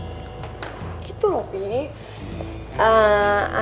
ehm anak geng motor yang waktu itu papi larang aku berbicara sama dia